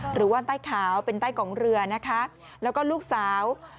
หรือว่าใต้ขาวเป็นใต้กองเรือนะคะแล้วก็ลูกสาว